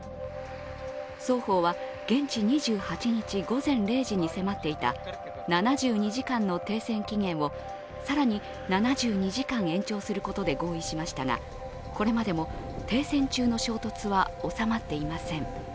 双方は現地２８日午前０時に迫っていた７２時間の停戦期限を更に７２時間延長することで合意しましたがこれまでも停戦中の衝突は収まっていません。